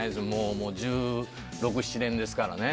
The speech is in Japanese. もう、１６、７年ですからね。